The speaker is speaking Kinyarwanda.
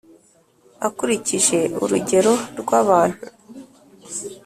akurikije urugero rw’abantu,